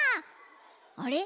あれ？